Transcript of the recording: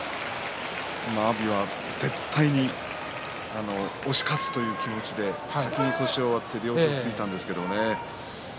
阿炎は絶対に押し勝つという気持ちで先に腰を割っているようにも見えたんですけどね。